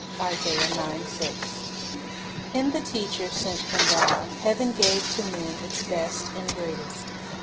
1 In the Teacher sent from God, heaven gave to men its best and greatest.